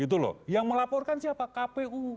gitu loh yang melaporkan siapa kpu